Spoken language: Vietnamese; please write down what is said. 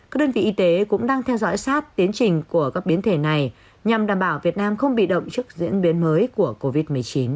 các đơn vị y tế cũng đang theo dõi sát tiến trình của các biến thể này nhằm đảm bảo việt nam không bị động trước diễn biến mới của covid một mươi chín